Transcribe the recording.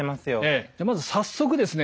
じゃあまず早速ですね